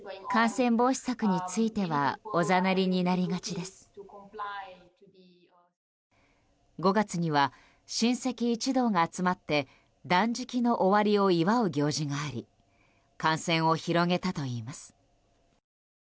そして。５月には、親戚一同が集まって断食の終わりを祝う行事があり感染を広げたといいます。